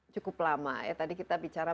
cukup lama ya tadi kita bicara